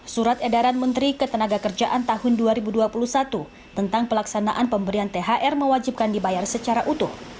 surat edaran menteri ketenaga kerjaan tahun dua ribu dua puluh satu tentang pelaksanaan pemberian thr mewajibkan dibayar secara utuh